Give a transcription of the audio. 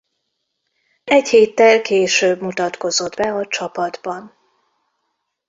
Egy héttel később mutatkozott be a csapatban.